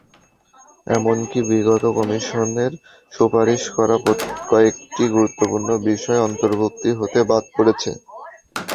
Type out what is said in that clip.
এমনকি বিগত কমিশনের সুপারিশ করা কয়েকটি গুরুত্বপূর্ণ বিষয় অন্তর্ভুক্তি হতে বাদ পড়েছে।